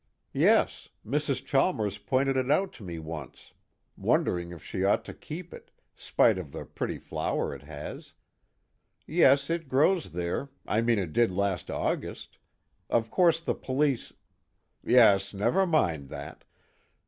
"Yes. Mrs. Chalmers pointed it out to me once, wondering if she ought to keep it, spite of the pretty flower it has. Yes, it grows there I mean it did last August. Of course the police " "Yes, never mind that.